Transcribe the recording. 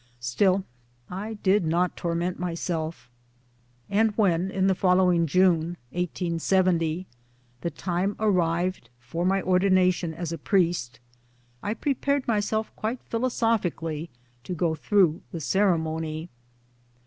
Still I did not torment myself ; and when in the following June (1870) the time arrived for my ordination as a priest, I prepared myself quite philosophically to go through the ceremony.